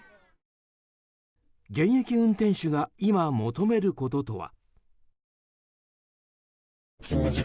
現役運転手が今、求めることとは。